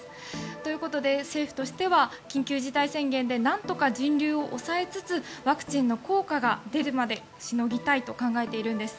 ということで、政府としては緊急事態宣言で何とか人流を抑えつつワクチンの効果が出るまでしのぎたいと考えているんです。